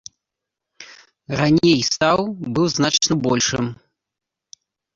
Раней стаў быў значна большым.